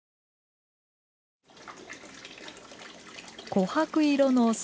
こはく色の酢。